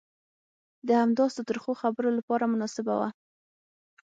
د همداسې ترخو خبرو لپاره مناسبه وه.